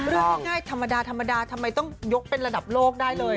เรื่องง่ายธรรมดาธรรมดาทำไมต้องยกเป็นระดับโลกได้เลย